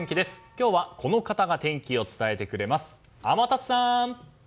今日はこの方が天気を伝えてくれます、天達さん。